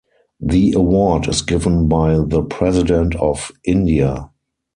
The award is given by the President of India.